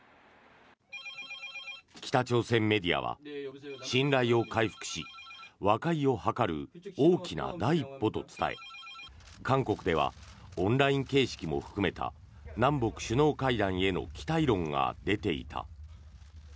北朝鮮メディアは信頼を回復し、和解を図る大きな第一歩と伝え韓国ではオンライン形式も含めた南北首脳会談への期待論が出ていた。